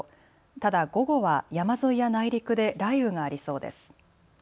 ただ午後は山沿いや内陸で雷雨がありそうです。